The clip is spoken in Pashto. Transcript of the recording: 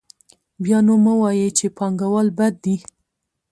بیا نو مه وایئ چې پانګوال بد دي